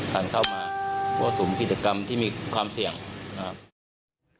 ดังเท่ามาโม้สมกิจกรรมที่มีความเสี่ยงนะครับ